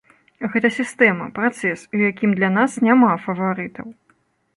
Гэта сістэма, працэс, у якім для нас няма фаварытаў.